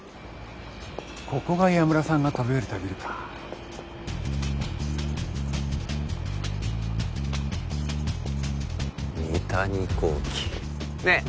ここが岩村さんが飛び降りたビルか三谷工機ねえ